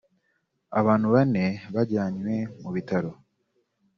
abantu bane bajyanywe mu bitaro